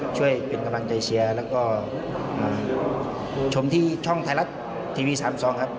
ช่วยเป็นกำลังใจเชียร์แล้วก็มาชมที่ช่องไทยรัฐทีวี๓๒ครับ